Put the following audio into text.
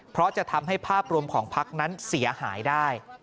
เพราะจะทำให้ภาพรวมของพักนั้นเสียหายได้